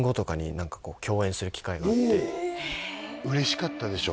嬉しかったでしょ